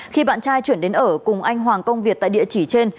khi bạn trai chuyển đến ở cùng anh hoàng công việt tại địa chỉ trên